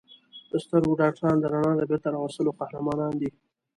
د سترګو ډاکټران د رڼا د بېرته راوستلو قهرمانان دي.